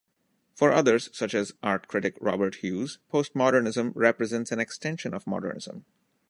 For others, such as art critic Robert Hughes, postmodernism represents an extension of modernism.